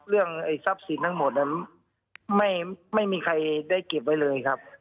เรื่องทรัพย์สินทั้งหมดนั้นไม่มีใครได้เก็บไว้เลยครับ